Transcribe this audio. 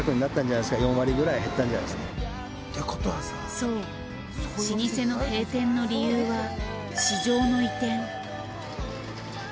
そう老舗の閉店の理由は市場の移転。